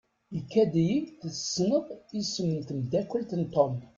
Ikad-iyi-d tessneḍ isem n temdakelt n Tom.